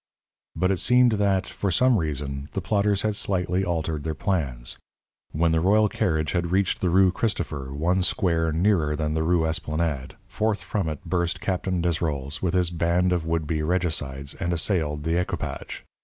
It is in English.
But it seemed that, for some reason, the plotters had slightly altered their plans. When the royal carriage had reached the Rue Christopher, one square nearer than the Rue Esplanade, forth from it burst Captain Desrolles, with his band of would be regicides, and assailed the equipage.